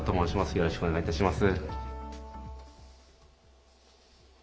よろしくお願いします。